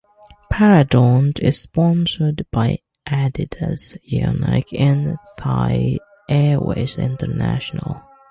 Paradorn is sponsored by Adidas, Yonex, and Thai Airways International.